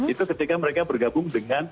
itu ketika mereka bergabung dengan